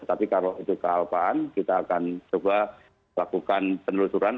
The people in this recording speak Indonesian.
tapi kalau itu kealpaan kita akan coba lakukan penelusuran